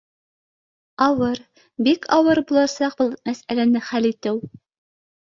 — Ауыр, бик ауыр буласаҡ был мәсьәләне хәл итеү